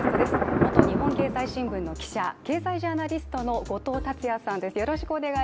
元日本経済新聞の記者、経済ジャーナリストの後藤達也さんです。